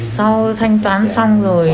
sau thanh toán xong rồi